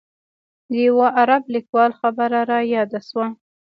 د یوه عرب لیکوال خبره رایاده شوه.